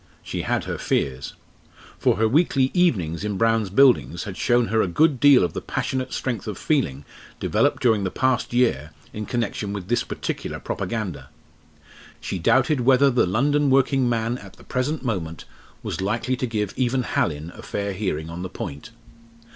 She had her fears. For her weekly "evenings" in Brown's Buildings had shown her a good deal of the passionate strength of feeling developed during the past year in connection with this particular propaganda. She doubted whether the London working man at the present moment was likely to give even Hallin a fair hearing on the point.